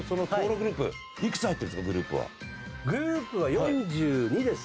グループは４２です。